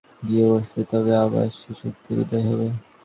কিছুদিন সব কাজ ছেড়ে হিমালয়ে গিয়ে বসলে তবে আবার সে শক্তির উদয় হবে।